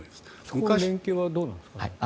そこの連携はどうなんですか？